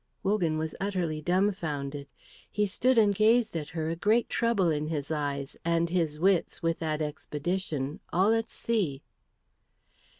Wogan was utterly dumfounded. He stood and gazed at her, a great trouble in his eyes, and his wits with that expedition all at sea.